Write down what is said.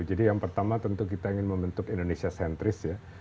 jadi yang pertama tentu kita ingin membentuk indonesia sentris ya